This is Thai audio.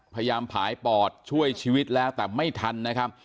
พยายามผายปอดช่วยชีวิตแล้วแต่ไม่ทันนะครับ